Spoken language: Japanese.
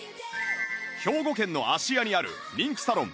兵庫県の芦屋にある人気サロン